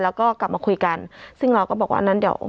แล้วก็กลับมาคุยกันซึ่งเราก็บอกว่าอันนั้นเดี๋ยว